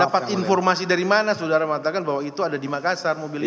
dapat informasi dari mana saudara mengatakan bahwa itu ada di makassar